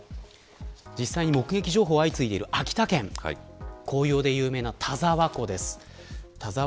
実際に目撃情報が相次いでいる秋田県、紅葉で有名な田沢湖です。